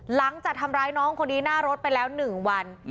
หลังจากทำร้ายน้องคนนี้หน้ารถไปแล้ว๑วัน